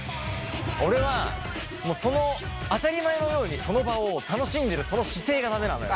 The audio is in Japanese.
俺はその当たり前のようにその場を楽しんでるその姿勢が駄目なのよ。